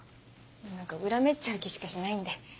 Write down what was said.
何か裏目っちゃう気しかしないんで。